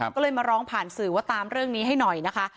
ก็เลยมาร้องผ่านสื่อว่าตามเรื่องนี้ให้หน่อยนะคะ